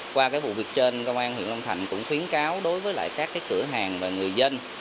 qua cái vụ việc trên công an huyện long thành cũng khuyến cáo đối với lại các cái cửa hàng và người dân